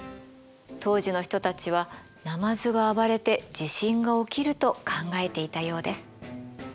当時の人たちはナマズが暴れて地震が起きると考えていたようです。